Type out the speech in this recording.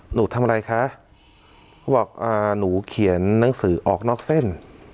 หนูทำอะไรคะเขาบอกอ่าหนูเขียนหนังสือออกนอกเส้น